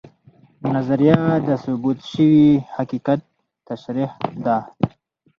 نظریه د ثبوت شوي حقیقت تشریح ده